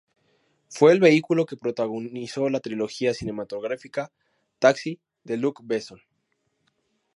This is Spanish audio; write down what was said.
Fue el vehículo que protagonizó la trilogía cinematográfica "Taxi" de Luc Besson.